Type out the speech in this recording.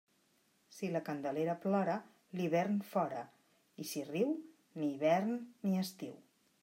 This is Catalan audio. Si la Candelera plora, l'hivern fora; i si riu, ni hivern ni estiu.